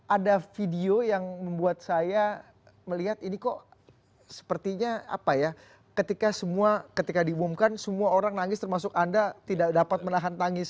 ada video yang membuat saya melihat ini kok sepertinya apa ya ketika semua ketika diumumkan semua orang nangis termasuk anda tidak dapat menahan tangis